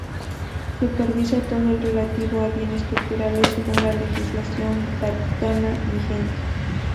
Supervisa todo lo relativo a bienes culturales según la legislación vaticana vigente.